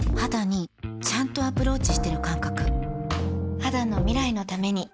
肌の未来のために